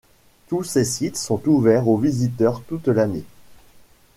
Tous ces sites sont ouverts aux visiteurs toute l’année.